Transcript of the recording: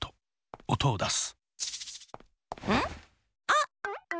あっ！